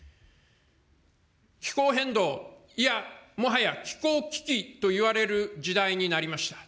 気候変動、いや、もはや気候危機といわれる時代になりました。